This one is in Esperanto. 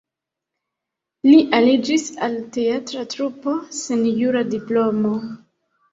Li aliĝis al teatra trupo sen jura diplomo.